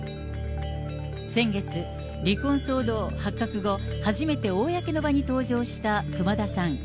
先月、離婚騒動発覚後、初めて公の場に登場した熊田さん。